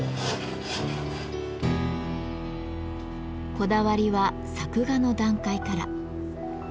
こだわりは作画の段階から。